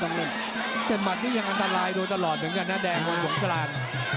แต่มัดนี่ยังอันตรายโดยตลอดเหมือนกับหน้าแดงพอหยุงสลาน